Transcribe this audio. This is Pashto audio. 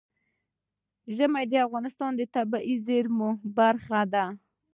ژمی د افغانستان د طبیعي زیرمو برخه ده.